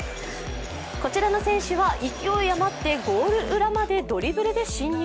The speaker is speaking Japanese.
こちらの選手は勢い余ってゴール裏までドリブルで侵入。